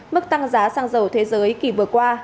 mức tăng giá xăng dầu thế giới kỳ vừa qua